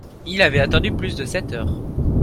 Il avait attendu plus de sept heures.